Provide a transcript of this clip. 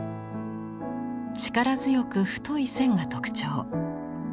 力強く太い線が特徴。